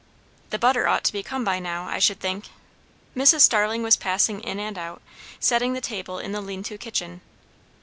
"The butter ought to be come by now, I should think." Mrs. Starling was passing in and out, setting the table in the lean to kitchen.